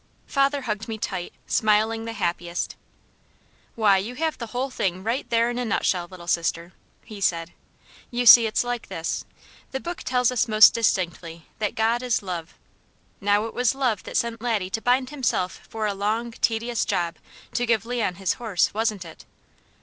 Father hugged me tight, smiling the happiest. "Why, you have the whole thing right there in a nutshell, Little Sister," he said. "You see it's like this: the Book tells us most distinctly that 'God is love.' Now it was love that sent Laddie to bind himself for a long, tedious job, to give Leon his horse, wasn't it?"